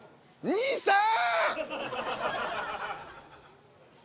兄さん！！